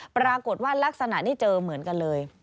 ปรากฏว่ารักษณะนี่เจอเหมือนกันเลย